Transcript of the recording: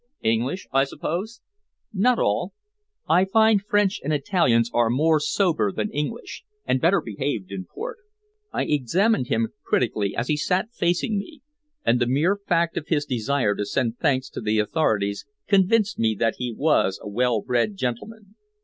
"English, I suppose?" "Not all. I find French and Italians are more sober than English, and better behaved in port." I examined him critically as he sat facing me, and the mere fact of his desire to send thanks to the authorities convinced me that he was a well bred gentleman.